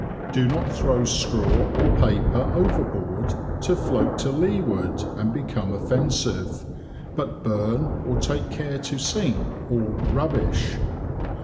Do not throw straw or paper overboard to float to leeward and become offensive; but burn, or take care to sink all rubbish.